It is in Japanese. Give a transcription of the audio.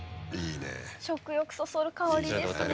食欲そそる香りですね。